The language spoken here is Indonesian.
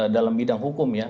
dalam bidang hukum ya